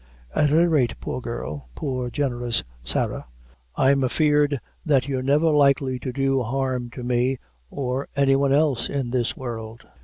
At any rate, poor girl poor, generous Sarah, I'm afeard that you're never likely to do harm to me, or any one else, in this world.